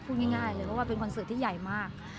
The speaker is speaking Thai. พูดง่ายเลยเพราะว่าเป็นคอนเสิร์ตที่ใหญ่มาก